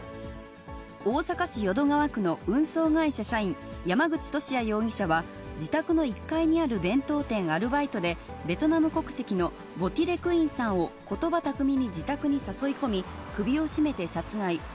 大阪市淀川区の運送会社社員、山口利家容疑者は自宅の１階にある弁当店アルバイトで、ベトナム国籍のヴォ・ティ・レ・クインさんを、ことば巧みに自宅に誘い込み、首を絞めて殺害。